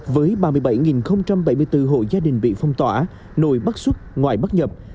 với ba mươi bảy bảy mươi bốn hộ gia đình bị phong tỏa nội bắt xuất ngoại bắt nhập